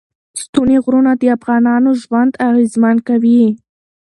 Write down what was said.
ستوني غرونه د افغانانو ژوند اغېزمن کوي.